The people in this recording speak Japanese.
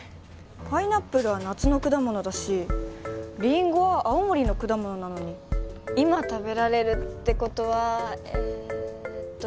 パイナップルは夏の果物だしりんごは青森の果物なのに今食べられるってことはえっと